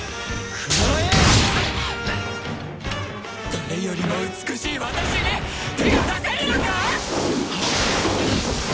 誰よりも美しい私に手が出せるのか！？